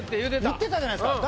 言ってたじゃないですか。